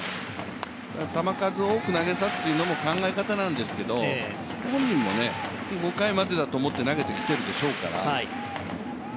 球数を多く投げさすというのも考え方なんですけど本人も５回までだと思って投げてきてるでしょうから。